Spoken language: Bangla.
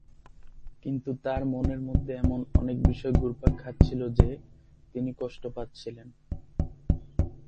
কিন্তু তার মনের মধ্যে এমন অনেক বিষয় ঘুরপাক খাচ্ছিল যে, তিনি কষ্ট পাচ্ছিলেন।